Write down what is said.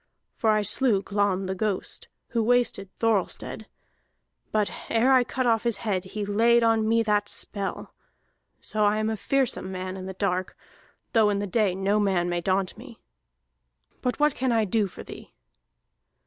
For I slew Glam the ghost who wasted Thorhallstead, but ere I cut off his head he laid on me that spell. So I am a fearsome man in the dark, though in the day no man may daunt me. But what can I do for thee?"